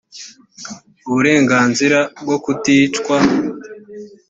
uburenganzira bwo kuticwa